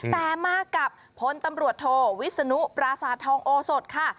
แต่มากับพลตำรวจโทวิศนุปราสาททองโอสดค่ะ